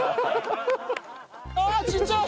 ああちっちゃい！